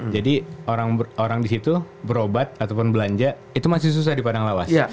jadi orang di situ berobat ataupun belanja itu masih susah di padang lawas